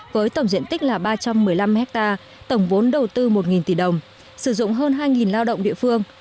với tổng diện tích là ba trăm một mươi năm hectare tổng vốn đầu tư một tỷ đồng sử dụng hơn hai lao động địa phương